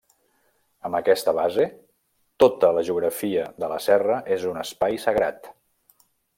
Amb aquesta base, tota la geografia de la serra és un espai sagrat.